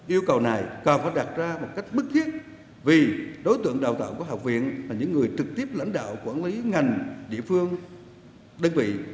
yêu cầu này cần phải đặt ra một cách bức thiết vì đối tượng đào tạo của học viện là những người trực tiếp lãnh đạo quản lý ngành địa phương đơn vị